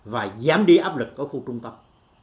và giám đí áp lực của khu trung tâm